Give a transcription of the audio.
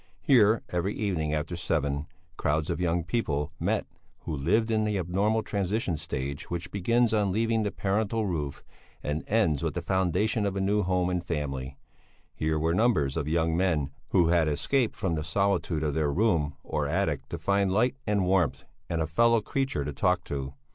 Here, every evening after seven, crowds of young people met who lived in that abnormal transition stage which begins on leaving the parental roof and ends with the foundation of a new home and family; here were numbers of young men who had escaped from the solitude of their room or attic to find light and warmth and a fellow creature to talk to.